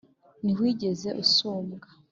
ntiwigeze usumbwa